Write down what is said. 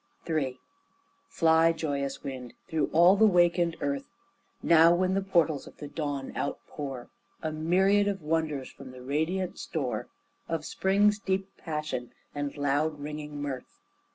III Fly, joyous wind, through all the wakened earth Now when the portals of the dawn outpour A myriad wonders from the radiant store Of spring's deep passion and loud ringing mirth.